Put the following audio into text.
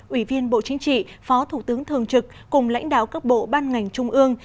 ủy viên bộ chính trị phó thủ tướng thường trực cùng lãnh đạo các bộ ban ngành trung ương